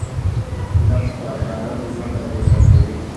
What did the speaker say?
نفت د افغانانو ژوند اغېزمن کوي.